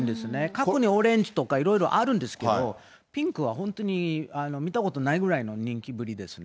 過去にオレンジとか、いろいろあるんですけど、ピンクは本当に見たことないぐらいの人気ぶりですね。